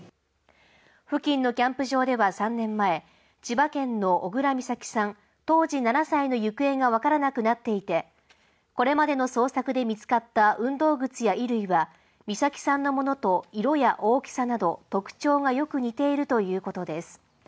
付近のキャンプ場では３年前、千葉県の小倉美咲さん当時７歳の行方が分からなくなっていて、これまでの捜索で見つかった運動靴や衣類は、美咲さんのものと色や大きさなど、特徴がよく似ているということです。